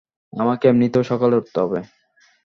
আমাকে এমনিতেও সকালে উঠতে হবে।